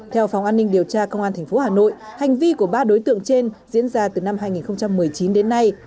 theo phòng an ninh điều tra công an tp hà nội hành vi của ba đối tượng trên diễn ra từ năm hai nghìn một mươi chín đến nay